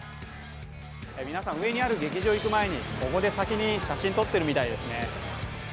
皆さん、上にある劇場に行く前にここで先に写真を撮ってるみたいですね。